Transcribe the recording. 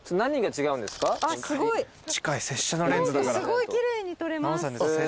すごい奇麗に撮れます。